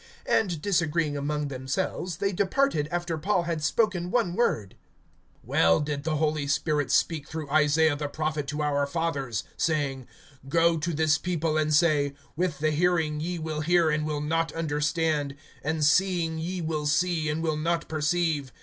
(25)And disagreeing among themselves, they departed, after Paul had spoken one word: Well did the Holy Spirit speak through Isaiah the prophet to our fathers, (26)saying: Go to this people, and say; With the hearing ye will hear, and will not understand, And seeing ye will see, and will not perceive.